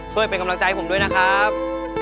ช่วยเป็นกำลังใจให้ผมด้วยนะครับ